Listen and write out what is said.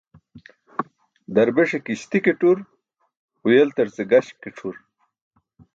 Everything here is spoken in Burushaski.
Darbeṣe kiśti ke tur, huyaltarce gaśk ke c̣ʰur.